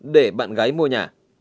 để bạn gặp lại